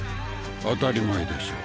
当たり前でしょ。